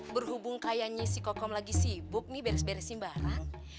berhubung kayanya si kokom lagi sibuk nih beresin barang